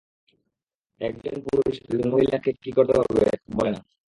একজন পুরুষ একজন মহিলাকে কী করতে হবে তা বলে না।